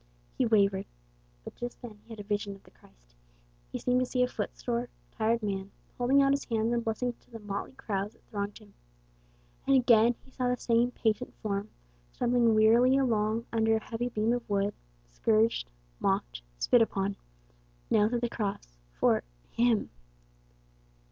He wavered. But just then he had a vision of the Christ. He seemed to see a footsore, tired man, holding out his hands in blessing to the motley crowds that thronged him; and again he saw the same patient form stumbling wearily along under a heavy beam of wood, scourged, mocked, spit upon, nailed to the cross, for him!